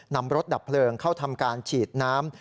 นำรถดับเพลิงเข้าทำการฉีดน้ำ